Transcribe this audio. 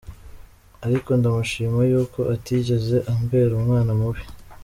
Ariko ndamushima y’uko atigeze ambera umwana mubi.